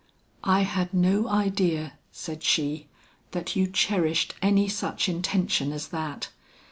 "I had no idea," said he, "that you cherished any such intention as that.